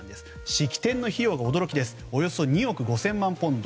式典の費用がおよそ２億５０００万ポンド。